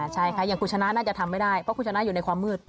ใช่ค่ะอย่างคุณชนะน่าจะทำไม่ได้เพราะคุณชนะอยู่ในความมืด